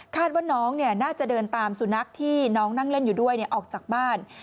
ว่าน้องน่าจะเดินตามสุนัขที่น้องนั่งเล่นอยู่ด้วยออกจากบ้าน